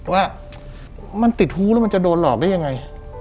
ว่ามันติดหู้แล้วมันจะโดนหลอกได้ยังไง